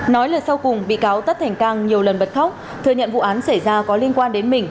nói lời sau cùng bị cáo tất thành cang nhiều lần bật khóc thừa nhận vụ án xảy ra có liên quan đến mình